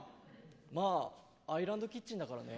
まあ、アイランドキッチンだからね。